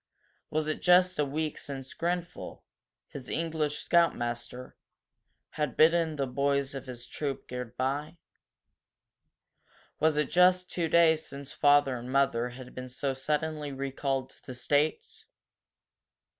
Was it just a week since Grenfel, his English scoutmaster, had bidden the boys of his troop goodbye? Was it just two days since father and mother had been so suddenly recalled to the States?